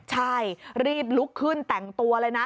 ใช่รีบลุกขึ้นแต่งตัวเลยนะ